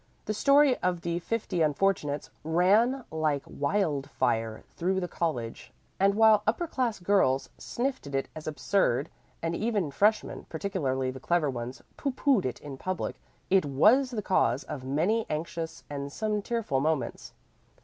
The story of the fifty unfortunates ran like wild fire through the college, and while upper class girls sniffed at it as absurd and even freshmen, particularly the clever ones, pooh poohed it in public, it was the cause of many anxious, and some tearful moments.